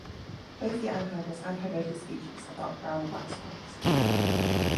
Both the anhydrous and hydrated species are dark brown or black solids.